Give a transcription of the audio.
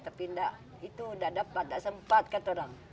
tapi itu tidak dapat tidak sempat katakan